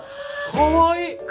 かわいい。